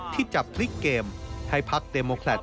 ที่จะพลิกเกมให้พักเดโมแคลต